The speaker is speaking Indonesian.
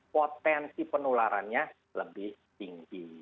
potensi penularannya lebih tinggi